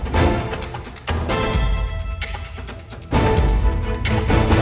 boleh aku barkan lagi ya